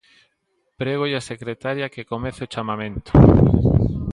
Prégolle á secretaria que comece o chamamento.